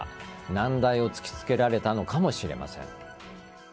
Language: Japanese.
難題を突きつけられたのかもしれません。